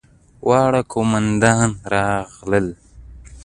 واړه قوماندان راغلل.